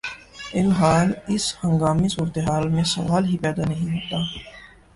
ی الحال اس ہنگامی صورتحال میں سوال ہی پیدا نہیں ہوتا